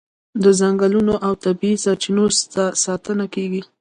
د ځنګلونو او طبیعي سرچینو ساتنه کیږي.